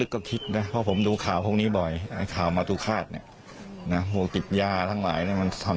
ก็คิดว่าจะทำแต่ไม่คิดว่าจะทำ